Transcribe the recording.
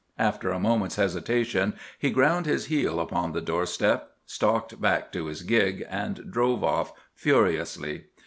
After a moment's hesitation he ground his heel upon the doorstep, stalked back to his gig, and drove off furiously.